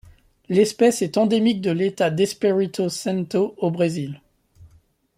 L'espèce est endémique de l'État d'Espírito Santo au Brésil.